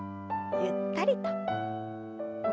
ゆったりと。